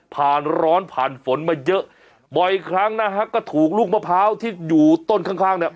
ผ่านร้อนผ่านฝนมาเยอะบ่อยครั้งนะครับก็ถูกลูกมะพร้าวที่อยู่ต้นข้าง